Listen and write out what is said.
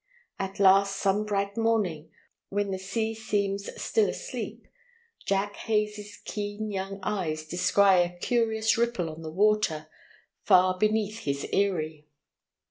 At last some bright morning, when the sea seems still asleep, Jack Hays' keen young eyes descry a curious ripple on the water far beneath his eyrie.